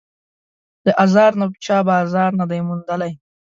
د آزار نه چا بازار نه دی موندلی